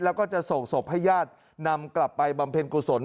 แล้วก็จะส่งศพให้ญาตินำกลับไปบำเพ็ญกุศล